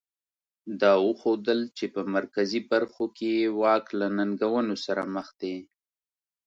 دا وښودل چې په مرکزي برخو کې یې واک له ننګونو سره مخ دی.